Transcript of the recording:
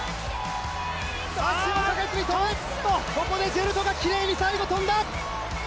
ここでジェルトがきれいに最後、跳んだ。